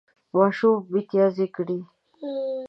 ماشوم متیازې کړې